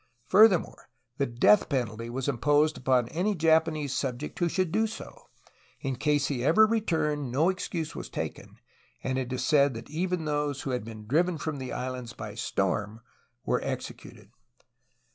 Furthermore, the death penalty was imposed on any Japanese subject who should do so; in case he ever returned, no excuse was taken, and it is said that even those who had been driven from the islands by storm were exe cuted.